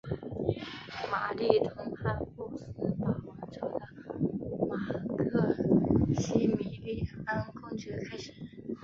玛丽同哈布斯堡王朝的马克西米利安公爵开始。